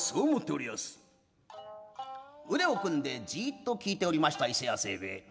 腕を組んでじっと聞いておりました伊勢屋清兵衛。